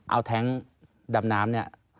เอาแท็งค์ดำน้ำเนี่ย